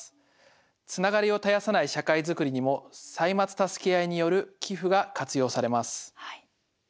つながりを絶やさない社会作りにも「歳末たすけあい」による寄付が活用されます。